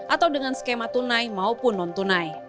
atau dengan skema tunai maupun non tunai